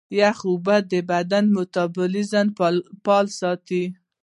یخي اوبه د بدن میتابولیزم فعاله ساتي.